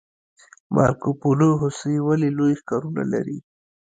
مارکوپولو هوسۍ ولې لوی ښکرونه لري؟